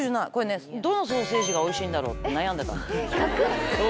どのソーセージがおいしいんだろうって悩んでた。